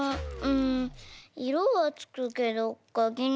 んいろはつくけどかきにくい。